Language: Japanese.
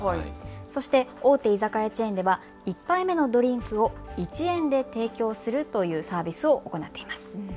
そして大手居酒屋チェーンでは１杯目のドリンクを１円で提供するというサービスを行っています。